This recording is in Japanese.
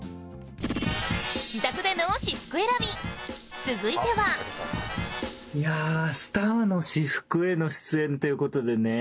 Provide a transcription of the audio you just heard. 自宅での私服選び続いてはいやスターの私服への出演っていうことでね。